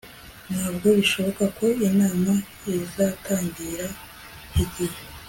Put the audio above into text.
ntabwo bishoboka ko inama izatangira igihe